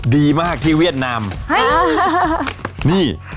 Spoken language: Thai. ดีมากที่เวียดนามนี่